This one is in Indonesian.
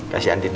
kasih andin ya